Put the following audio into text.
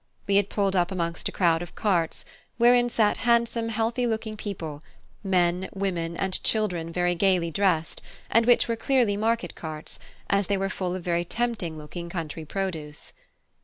We had pulled up amongst a crowd of carts, wherein sat handsome healthy looking people, men, women, and children very gaily dressed, and which were clearly market carts, as they were full of very tempting looking country produce.